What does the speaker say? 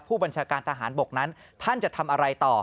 ผู้บัญชาการทหารบกนั้นท่านจะทำอะไรต่อ